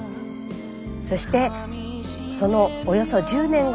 そしてそのおよそ１０年後。